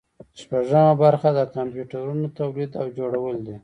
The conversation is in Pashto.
شپږمه برخه د کمپیوټرونو تولید او جوړول دي.